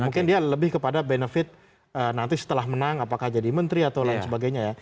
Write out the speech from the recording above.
mungkin dia lebih kepada benefit nanti setelah menang apakah jadi menteri atau lain sebagainya ya